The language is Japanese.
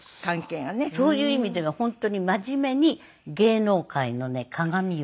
そういう意味では本当に真面目に芸能界のねかがみよ。